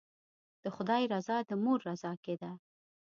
د خدای رضا د مور رضا کې ده.